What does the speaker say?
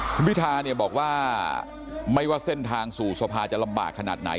คุณพิธาเนี่ยบอกว่าไม่ว่าเส้นทางสู่สภาจะลำบากขนาดไหน